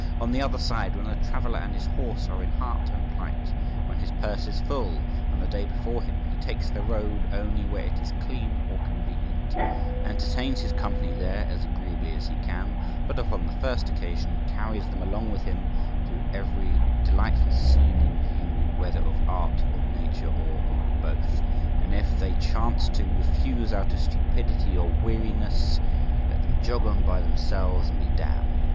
On the other side, when a traveller and his horse are in heart and plight, when his purse is full and the day before him, he takes the road only where it is clean or convenient, entertains his company there as agreeably as he can, but upon the first occasion carries them along with him to every delightful scene in view, whether of art, of Nature, or of both; and if they chance to refuse out of stupidity or weariness, let them jog on by themselves, and be d—n'd.